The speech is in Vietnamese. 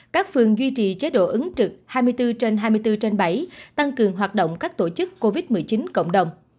các phường duy trì chế độ ứng trực hai mươi bốn trên hai mươi bốn trên bảy tăng cường hoạt động các tổ chức covid một mươi chín cộng đồng